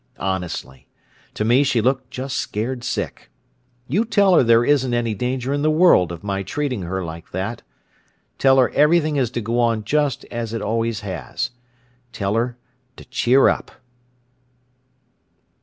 Honestly, to me she looked just scared sick. You tell her there isn't any danger in the world of my treating her like that. Tell her everything is to go on just as it always has. Tell her to cheer up!